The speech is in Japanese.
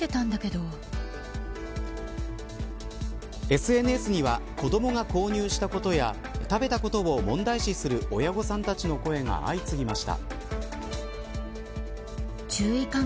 ＳＮＳには子どもが購入したことや食べたことを問題視する親御さんたちの声が相次ぎました。